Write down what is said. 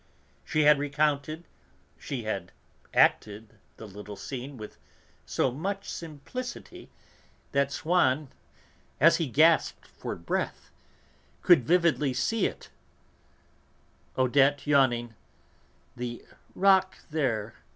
She had recounted, she had acted the little scene with so much simplicity that Swann, as he gasped for breath, could vividly see it: Odette yawning, the "rock there